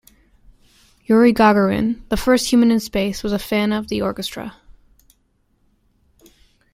Yuri Gagarin, the first human in space, was a fan of the Orchestra.